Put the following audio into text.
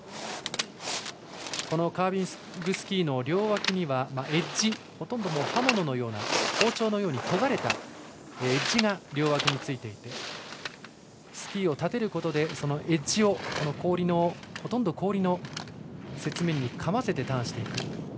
このカービングスキーの両脇にはエッジほとんど刃物のような包丁のようにとがれたエッジが両脇についていてスキーを立てることでそのエッジをほとんど氷の雪面にかませてターンしていく。